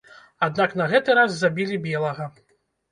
Аднак на гэты раз забілі белага.